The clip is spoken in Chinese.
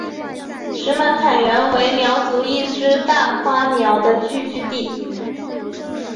石门坎原为苗族一支大花苗的聚居地。